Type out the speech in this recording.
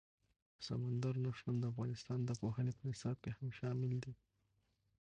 سمندر نه شتون د افغانستان د پوهنې په نصاب کې هم شامل دي.